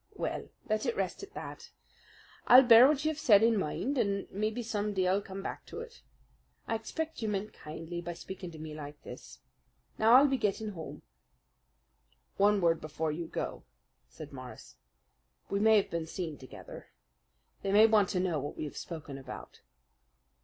"Well, let it rest at that. I'll bear what you have said in mind, and maybe some day I'll come back to it. I expect you meant kindly by speaking to me like this. Now I'll be getting home." "One word before you go," said Morris. "We may have been seen together. They may want to know what we have spoken about."